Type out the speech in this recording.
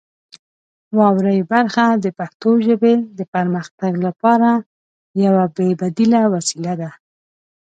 واورئ برخه د پښتو ژبې د پرمختګ لپاره یوه بې بدیله وسیله ده.